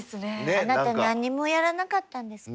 あなた何にもやらなかったんですか？